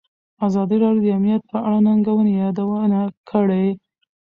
ازادي راډیو د امنیت په اړه د ننګونو یادونه کړې.